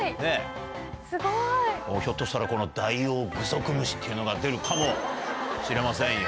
すごい。ひょっとしたらこの「だいおうぐそくむし」っていうのが出るかもしれませんよ。